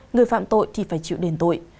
người phạm tội thì phải chịu đền tội